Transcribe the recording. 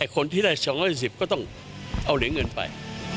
คนที่ได้๒๑๐ก็ต้องเอาเหรียญเงินไป